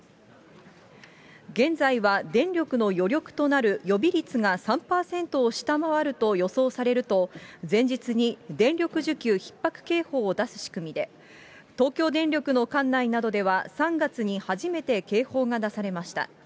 現在は、電力の余力となる予備率が３％を下回ると予想されると、前日に電力需給ひっ迫警報を出す仕組みで、東京電力の管内などでは、３月に初めて警報が出されました。